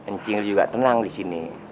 ncing juga tenang disini